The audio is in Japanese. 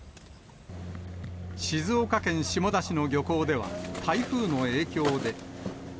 静岡県下田市の漁港では、台風の影響で。